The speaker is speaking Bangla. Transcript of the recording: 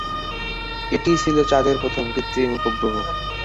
এটিই ছিলো চাঁদের প্রথম কৃত্রিম উপগ্রহ।